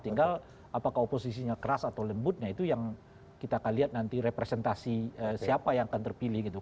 tinggal apakah oposisinya keras atau lembutnya itu yang kita akan lihat nanti representasi siapa yang akan terpilih gitu